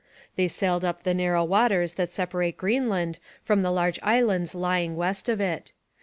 They sailed up the narrow waters that separate Greenland from the large islands lying west of it.